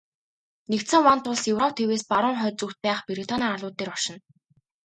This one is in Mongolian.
Нэгдсэн вант улс Европ тивээс баруун хойд зүгт байх Британийн арлууд дээр оршино.